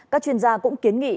các chuyên gia cũng kiến nghị